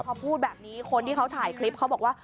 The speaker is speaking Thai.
พอพูดแบบนี้คนที่เขาถ่ายคลิปเขาบอกว่า